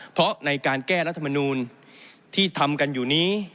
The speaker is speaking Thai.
เพราะในการแก้รัฐมนูลที่ทำกันอยู่นี้